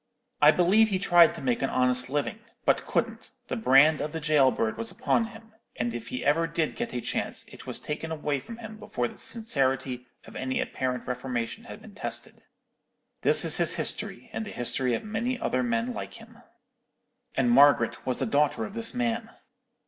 I believe he tried to make an honest living, but couldn't: the brand of the gaol bird was upon him; and if he ever did get a chance, it was taken away from him before the sincerity of any apparent reformation had been tested. This is his history, and the history of many other men like him.' "And Margaret was the daughter of this man.